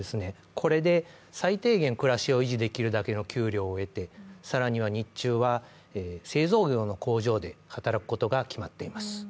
これで最低限暮らしを維持できるだけの給料を得て、更には日中は製造業の工場で働くことが決まっています。